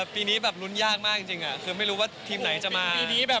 ปีนี้แบบลุ้นยากมากจริงคือไม่รู้ว่าทีมไหนจะมา